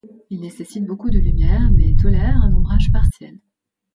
Il nécessite beaucoup de lumière mais tolère un ombrage partiel.